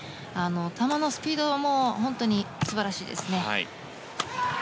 球のスピードも本当に素晴らしいですね。